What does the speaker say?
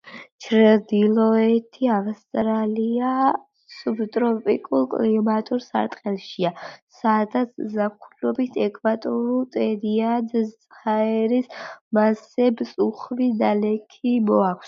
ჩრდილოეთი ავსტრალია სუბტროპიკულ კლიმატურ სარტყელშია, სადაც ზაფხულობით ეკვატორულ ტენიან ჰაერის მასებს უხვი ნალექი მოაქვს.